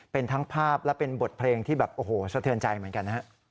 เป็นทั้งภาพและเป็นบทเพลงที่แบบโอ้โหสะเทือนใจเหมือนกันนะฮะ